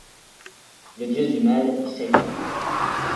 Le dieu du mal est Sheitan.